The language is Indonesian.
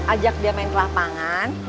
ajak dia main ke lapangan